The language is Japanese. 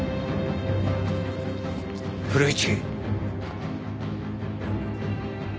古市。